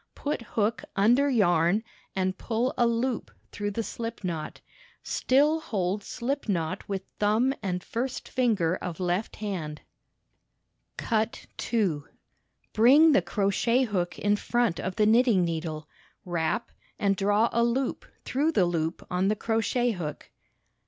Put hook under yarn and pull a loop through the slip knot. Still hold slip knot with thumb and first fimger of left hand. Cut 2 2. Bring the crochet hook in front of the knitting needle; wrap, and draw a loop through the loop on the crochet hook.